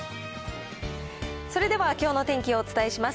それでは、きょうのお天気をお伝えします。